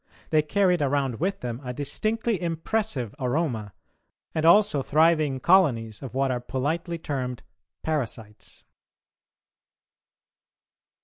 They carried around with them a distinctly impressive aroma, and also thriving colonies of what are politely termed parasites.